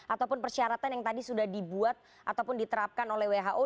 ataupun persyaratan yang tadi sudah dibuat ataupun diterapkan oleh who